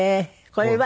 これは？